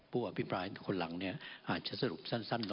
ผู้อภิปรายคนหลังเนี่ยอาจจะสรุปสั้น